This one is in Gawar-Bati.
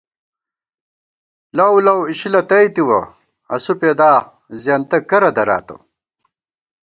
لَؤلَؤ اِشِلہ تئی تِوَہ ، اسُو پېدا زېنتہ کرہ دراتہ